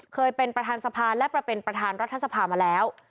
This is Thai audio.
เคยเป็นประธานสภาและประเป็นประธานรัฐสภามาแล้ว